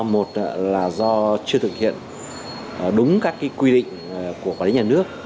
một là do chưa thực hiện đúng các quy định của quản lý nhà nước